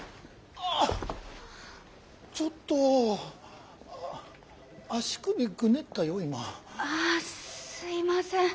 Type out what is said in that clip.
ああすいません